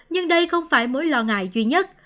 nhưng đây không phải mối lo ngại duy nhất